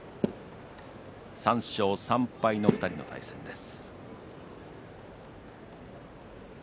３勝３敗の２人の対戦です。